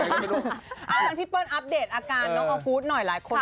อย่างนั้นพี่เปิ้ลอัปเดตอาการน้องออกูธหน่อยหลายคน